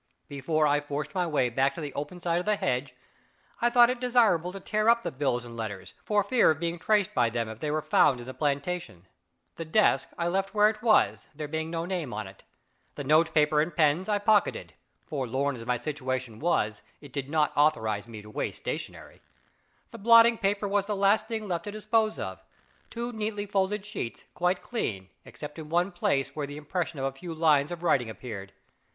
Before I forced my way back to the open side of the hedge, I thought it desirable to tear up the bills and letters, for fear of being traced by them if they were found in the plantation. The desk I left where it was, there being no name on it. The note paper and pens I pocketed forlorn as my situation was, it did not authorize me to waste stationery. The blotting paper was the last thing left to dispose of: two neatly folded sheets, quite clean, except in one place, where the impression of a few lines of writing appeared.